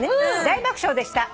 「大爆笑でした」